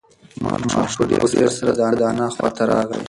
ماشوم په ډېر سرعت سره د انا خواته راغی.